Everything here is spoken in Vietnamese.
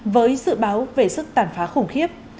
với dự báo về sức tàn phá khủng khiếp